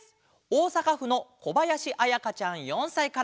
おおさかふのこばやしあやかちゃん４さいから。